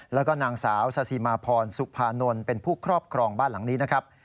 แล้วก็นางสาวซาซิมาพรสุภานนท์เป็นผู้ครอบครองบ้านหลังนี้นะครับ